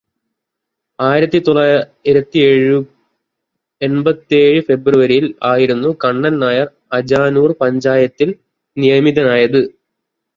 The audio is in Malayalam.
ആയിരത്തി തൊള്ളായിരത്തി എൺപത്തിയേഴ് ഫെബ്രുവരിയിൽ ആയിരുന്നു കണ്ണൻ നായർ അജാനൂർ പഞ്ചായത്തിൽ നിയമിതനായത്.